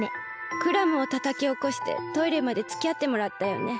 クラムをたたきおこしてトイレまでつきあってもらったよね。